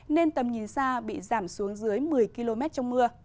nên tầm nhìn xa bị giảm xuống dưới một mươi km trong mưa